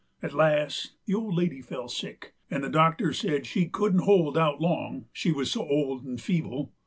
At last the old lady fell sick, and the doctor said she couldn't hold out long, she wuz so old 'nd feeble.